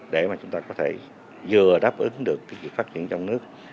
để mà chúng ta có thể vừa đáp ứng được cái việc phát triển trong nước